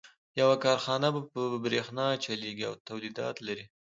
يوه کارخانه په برېښنا چلېږي او توليدات لري.